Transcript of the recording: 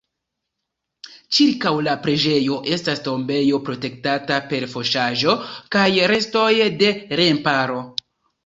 Ĉirkaŭ la preĝejo estas tombejo protektata per fosaĵo kaj restoj de remparo.